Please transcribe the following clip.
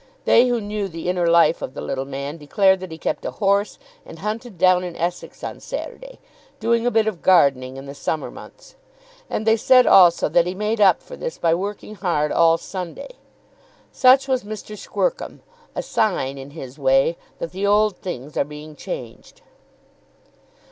They who knew the inner life of the little man declared that he kept a horse and hunted down in Essex on Saturday, doing a bit of gardening in the summer months; and they said also that he made up for this by working hard all Sunday. Such was Mr. Squercum, a sign, in his way, that the old things are being changed.